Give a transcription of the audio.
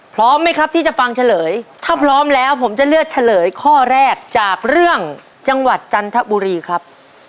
พร้อมไหมครับที่จะฟังเฉลยถ้าพร้อมแล้วผมจะเลือกเฉลยข้อแรกจากเรื่องจังหวัดจันทบุรีครับ